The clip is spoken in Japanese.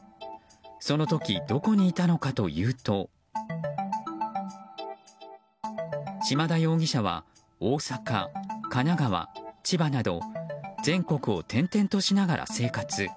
その時どこにいたのかというと島田容疑者は大阪、神奈川、千葉など全国を転々としながら生活。